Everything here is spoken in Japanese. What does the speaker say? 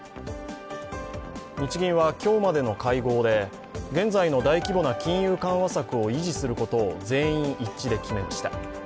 日銀は今日までの会合で、現在の大規模な金融緩和策を維持することを全員一致で決めました。